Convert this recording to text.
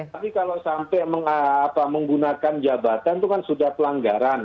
tapi kalau sampai menggunakan jabatan itu kan sudah pelanggaran